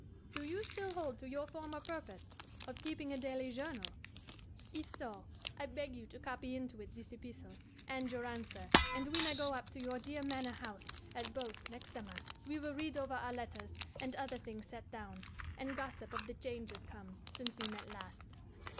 Do you still hold to your former purpose of keeping a daily journal? If so, I beg you to copy into it this epistle and your answer; and when I go up to your dear manor house at Beauce next summer, we will read over our letters and other things set down, and gossip of the changes come since we met last.